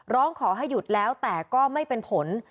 ร้องขอให้หยุดแล้วแต่ก็ไม่เป็นผล